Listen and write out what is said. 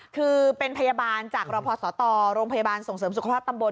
คือเป็นพยาบาลจากรพศตโรงพยาบาลส่งเสริมสุขภาพตำบล